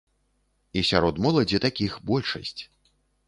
І сярод моладзі такіх большасць.